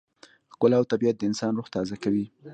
ښکلا او طبیعت د انسان روح تازه کوي.